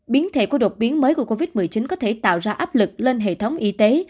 biến thể của đột biến mới của covid một mươi chín có thể tạo ra áp lực lên hệ thống y tế